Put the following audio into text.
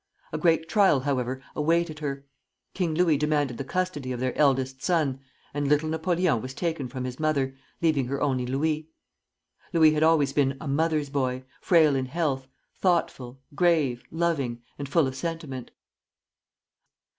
A great trial, however, awaited her. King Louis demanded the custody of their eldest son, and little Napoleon was taken from his mother, leaving her only Louis. Louis had always been a "mother's boy," frail in health, thoughtful, grave, loving, and full of sentiment.